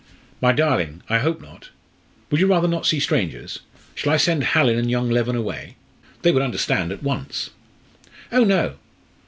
"My darling! I hope not. Would you rather not see strangers? Shall I send Hallin and young Leven away? They would understand at once." "Oh, no!